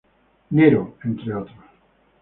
Nero", entre otros.